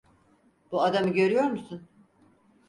Bu adamı görüyor musun?